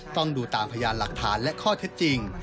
ต้องดูตามพยานหลักฐานและข้อเท็จจริง